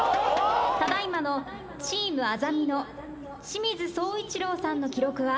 只今のチームあざみ野清水総一郎さんの記録は。